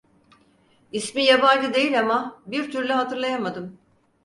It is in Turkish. İsmi yabancı değil ama, bir türlü hatırlayamadım.